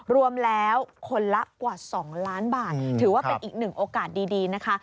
รวมแล้วคนละกว่า๒ล้านบาทถือว่าเป็นอีกหนึ่งโอกาสดีนะคะ